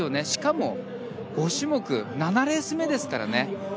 しかも５種目７レース目ですからね。